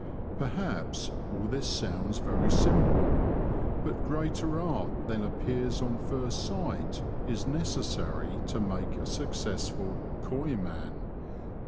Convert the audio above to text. Perhaps all this sounds very simple, but greater art than appears on first sight is necessary to make a successful 'coy man."